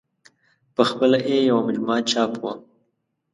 په خپله یې یوه مجموعه چاپ وه.